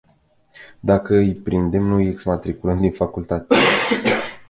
Dacă îi prindem nu îi exmatriculăm din facultate.